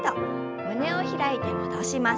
胸を開いて戻します。